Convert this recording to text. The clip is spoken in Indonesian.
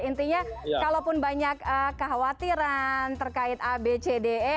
intinya kalaupun banyak kekhawatiran terkait abcde